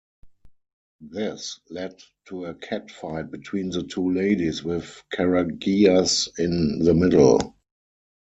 This led to a catfight between the two ladies, with Karagias in the middle.